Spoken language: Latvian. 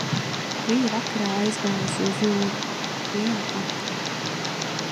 Biju vakarā aizgājusi uz jūru. Viena pati.